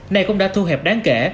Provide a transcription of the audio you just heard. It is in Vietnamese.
này cũng đã thu hẹp đáng kể